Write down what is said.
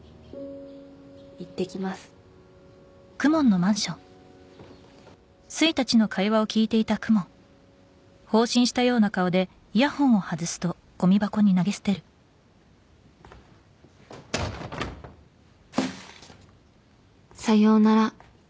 いってきますさようなら